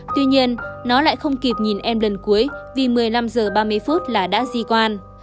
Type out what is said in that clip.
tuy nhiên nó lại không kịp nhìn em lần cuối vì một mươi năm h ba mươi là đã di quan